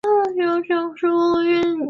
伊拉克的穆斯林属于什叶派和逊尼派。